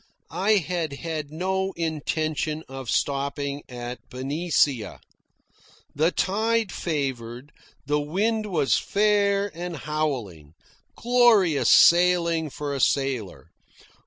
I had had no intention of stopping at Benicia. The tide favoured, the wind was fair and howling glorious sailing for a sailor.